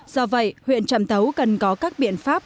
do vậy huyện trạm tấu cần có các biện pháp